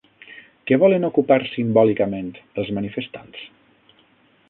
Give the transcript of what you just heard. Què volen ocupar simbòlicament els manifestants?